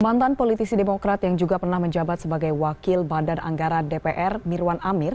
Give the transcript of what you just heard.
mantan politisi demokrat yang juga pernah menjabat sebagai wakil badan anggaran dpr mirwan amir